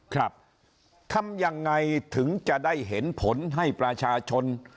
ครับทำยังไงถึงจะได้เห็นผลให้ประชาชน